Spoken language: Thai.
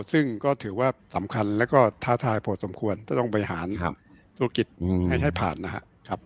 ซึ่งก็ถือว่าสำคัญแล้วก็ท้าทายพอสมควรจะต้องบริหารธุรกิจให้ผ่านนะครับ